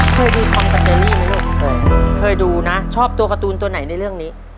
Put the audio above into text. เคยดูคอมกับเจอรี่ไหมลูกเคยดูนะชอบตัวการ์ตูนตัวไหนในเรื่องนี้